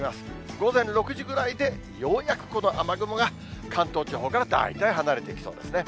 午前６時ぐらいで、ようやくこの雨雲が関東地方から大体離れていきそうですね。